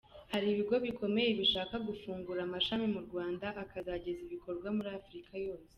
Hari ibigo bikomeye bishaka gufungura amashami mu Rwanda akazageza ibikorwa muri Africa yose.